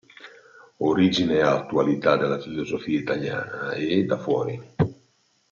Origine a attualità della filosofia italiana" e "Da fuori.